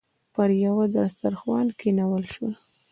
پر یوه دسترخوان کېنول شول.